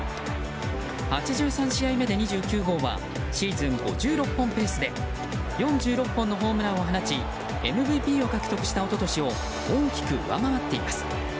８３試合目で２９号はシーズン５６本ペースで４６本のホームランを放ちＭＶＰを獲得した一昨年を大きく上回っています。